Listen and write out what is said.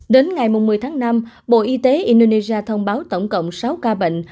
đến ngày một mươi tháng năm bộ y tế indonesia thông báo tổng cộng sáu ca bệnh